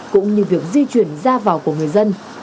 cũng như việc di chuyển ra vào của người dân